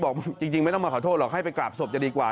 บอกจริงไม่ต้องมาขอโทษหรอกให้ไปกราบศพจะดีกว่า